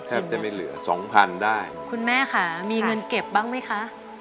จะไม่เหลือสองพันได้คุณแม่ค่ะมีเงินเก็บบ้างไหมคะ